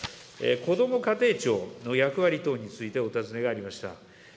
こども家庭庁の役割等についてお尋ねがありました。